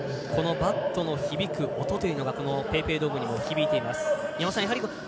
バッドの響く音がＰａｙＰａｙドームにも響いています。